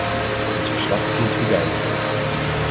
Dit verslag doelt hier duidelijk op.